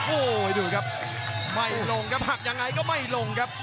โอ้โหดูครับไม่ลงครับหักยังไงก็ไม่ลงครับ